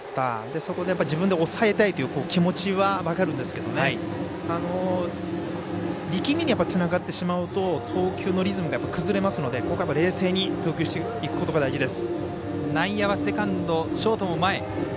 そこで自分で抑えたいという気持ちは分かるんですけど力みにつながってしまうと投球のリズムが崩れますので冷静に投球していくことが大事です。